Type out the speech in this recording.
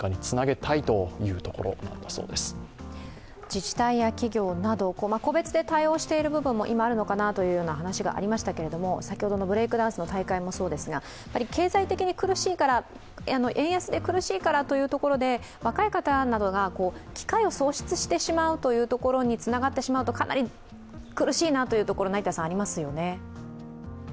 自治体や企業など個別で対応している部分も今あるのかなという話がありましたけれども、先ほどのブレイクダンスの大会もそうですが、経済的に苦しいから、円安で苦しいからというところで若い方などが機会を喪失してしまうというところにつながってしまうとかなり苦しいなというところがありますよね。